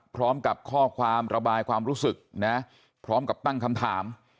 พร้อมกับข้อความระบายความรู้สึกนะพร้อมกับตั้งคำถาม